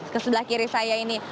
ke sebelah kiri saya ini